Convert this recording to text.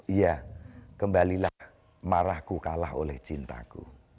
iya kembalilah marahku kalah oleh cintaku